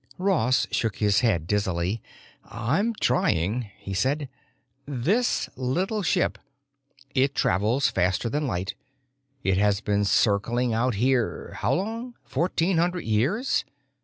Ross shook his head dizzily. "I'm trying," he said. "This little ship—it travels faster than light. It has been circling out here—how long? Fourteen hundred years?